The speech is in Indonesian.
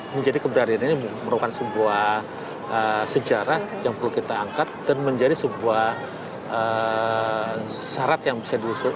menjadi keberadaan ini merupakan sebuah sejarah yang perlu kita angkat dan menjadi sebuah syarat yang bisa diusut